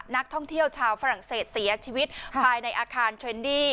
นักท่องเที่ยวชาวฝรั่งเศสเสียชีวิตภายในอาคารเทรนดี้